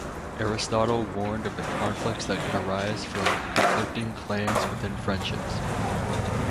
Aristotle warned of the conflicts that can arise from conflicting claims within friendships.